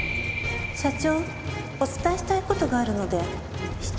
社長お伝えしたい事があるので至急